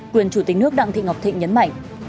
quyền chủ tịch nước đặng thị ngọc thịnh nhấn mạnh